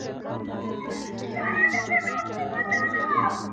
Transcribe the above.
څومره وخت پکار دی چې دا لوبه خلاصه شي؟